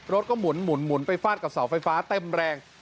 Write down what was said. รถก็หมุนไปฟาดกับเสาไฟฟ้าเต็มแรง